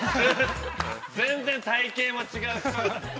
全然体型も違うし。